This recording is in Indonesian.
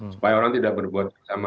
supaya orang tidak berbuat yang sama